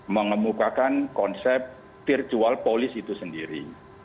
mengemukakan konsep virtual police itu sendiri